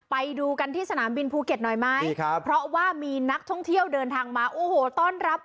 ไปดูกันที่สนามบินภูเก็ตหน่อยไหมใช่ครับเพราะว่ามีนักท่องเที่ยวเดินทางมาโอ้โหต้อนรับ